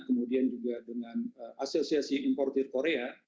kemudian juga dengan asosiasi importer korea